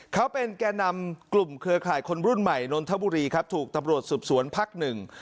เขาเป็นแก่นำกลุ่มเครือข่ายคนรุ่นใหม่นนทบุรีครับถูกตำรวจสืบสวนภักดิ์หนึ่ง